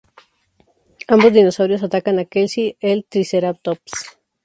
Ambos dinosaurios atacan a Kelsey, el "Triceratops".